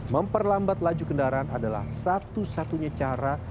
memperlambat laju kendaraan adalah satu satunya cara